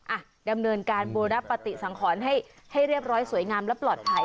อ่ะดำเนินการบูรปฏิสังขรให้ให้เรียบร้อยสวยงามและปลอดภัย